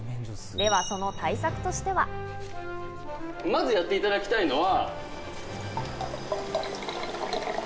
では、その対策としては。まずやっていただきたいのは。